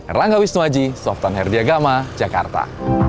erlangga wisnuaji softan herdiagama jakarta